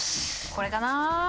これかな？